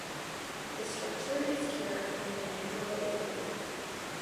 The structure is cured and the mandrel is removed.